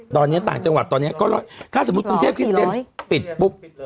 ตอนนี้ต่างจังหวัดตอนนี้ก็ถ้าสมมุติกรุงเทพคริสเตียนปิดปุ๊บ